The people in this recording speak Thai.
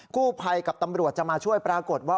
กู้ภัยกับตำรวจจะมาช่วยปรากฏว่า